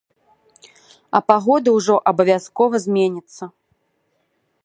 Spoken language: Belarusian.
А пагода ўжо абавязкова зменіцца.